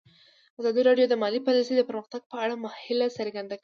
ازادي راډیو د مالي پالیسي د پرمختګ په اړه هیله څرګنده کړې.